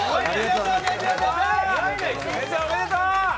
おめでとう！